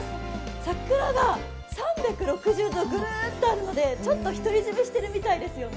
桜が３６０度ぐるっとあるのでちょっと独り占めしてるみたいですよね。